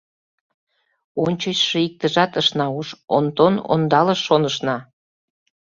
Ончычшо иктыжат ышна уж, Онтон ондалыш, шонышна.